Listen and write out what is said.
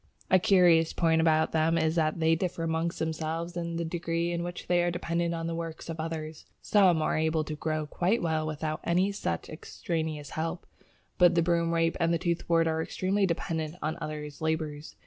A curious point about them is that they differ amongst themselves in the degree in which they are dependent on the work of others. Some are able to grow quite well without any such extraneous help, but the Broomrape and Toothwort are entirely dependent on others' labours.